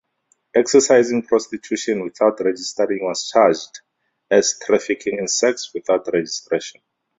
Exercising prostitution without registering was charged as "trafficking in sex" without registration.